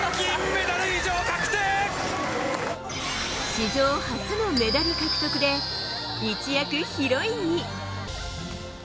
史上初のメダル獲得で一躍ヒロインに。